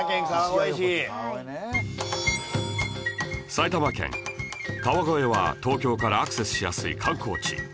埼玉県川越は東京からアクセスしやすい観光地